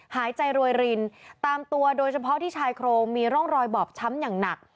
หายใจรวยรินตามตัวโดยเฉพาะที่ชายโครงมีร่องรอยบอบช้ำอย่างหนัก